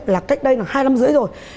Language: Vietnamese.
là cách đây là hai năm rưỡi rồi